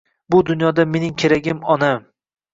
Bu dunyoda mening keragim onam